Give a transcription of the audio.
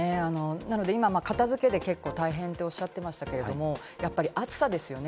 なので今、片付けて結構大変とおっしゃってましたけれど、やっぱり暑さですよね。